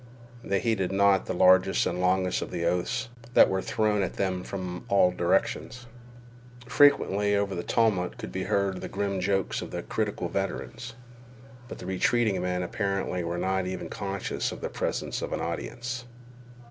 They heeded not the largest and longest of the oaths that were thrown at them from all directions. Frequently over this tumult could be heard the grim jokes of the critical veterans; but the retreating men apparently were not even conscious of the presence of an audience.